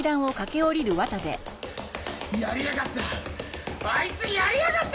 ・・やりやがった。